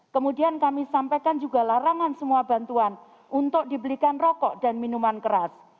kemudian kami sampaikan juga larangan semua bantuan untuk dibelikan rokok dan minuman keras